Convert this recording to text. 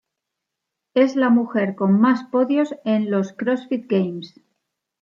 Es la mujer con más podios en los Crossfit Games.